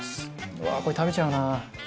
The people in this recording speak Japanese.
うわーこれ食べちゃうな。